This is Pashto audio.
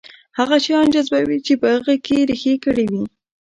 هغه شيان جذبوي چې په هغه کې يې رېښې کړې وي.